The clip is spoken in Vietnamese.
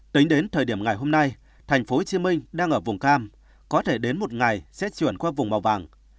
tính đến thời điểm ngày hôm nay tp hcm đang ở vùng cam có thể đến một ngày sẽ chuyển qua vùng màu vàng